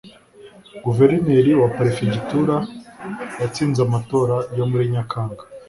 guverineri wa perefegitura yatsinze amatora yo muri nyakanga